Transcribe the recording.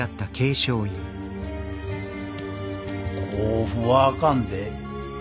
甲府はあかんで。